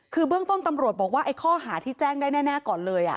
คือเบื้องต้นตำรวจบอกว่าไอ้ข้อหาที่แจ้งได้แน่ก่อนเลย